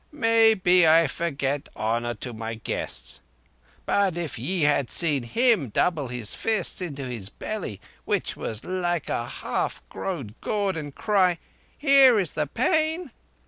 Maybe I forget honour to my guests, but if ye had seen him double his fists into his belly, which was like a half grown gourd, and cry: 'Here is the pain!